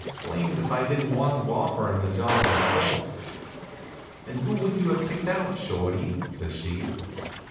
Blamed if I didn't want to offer him a job myself." "And who would you have picked out, Shorty?" says she.